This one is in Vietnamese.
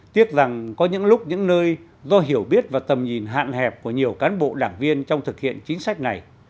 tiếc rằng có những lúc những nơi do hiểu biết và tầm nhìn hạn hẹp của nhiều cán bộ đảng viên trong thực hiện chính sách này